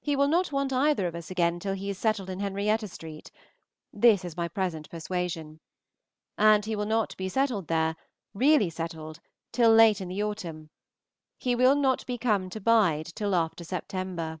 He will not want either of us again till he is settled in Henrietta Street. This is my present persuasion. And he will not be settled there really settled till late in the autumn; "he will not be come to bide" till after September.